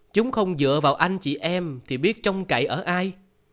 chúng không dựa vào anh chị em thì biết trông cậy ở ai